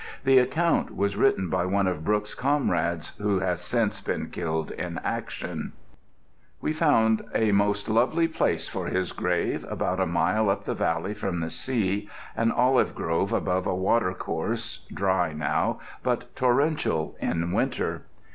The account was written by one of Brooke's comrades, who has since been killed in action: We found a most lovely place for his grave, about a mile up the valley from the sea, an olive grove above a watercourse, dry now, but torrential in winter.